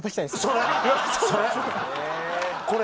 それ！